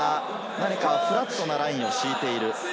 何かフラットなラインを敷いている。